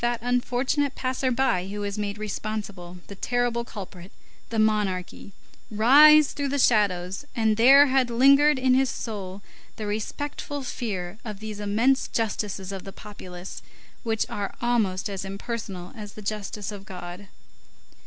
that unfortunate passer by who was made responsible, the terrible culprit, the monarchy, rise through the shadows; and there had lingered in his soul the respectful fear of these immense justices of the populace, which are almost as impersonal as the justice of God.